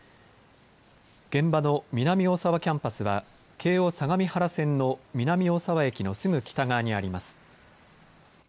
現場の南大沢キャンパスは京王相模原線の南大沢駅のすぐ北側にあります。